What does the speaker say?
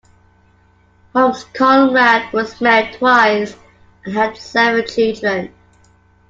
Holmes Conrad was married twice and had seven children.